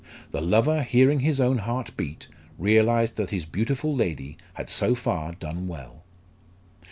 The lover hearing his own heart beat, realised that his beautiful lady had so far done well.